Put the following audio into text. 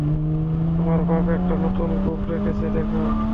তোমার বাপ একটা নতুন গোঁফ রেখেছে দেখো।